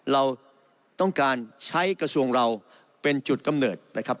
เราต้องการใช้กระทรวงเราเป็นจุดกำเนิดนะครับ